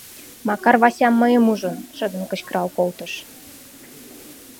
— Макар Вася, мыйым ужын, шыдын кычкырал колтыш.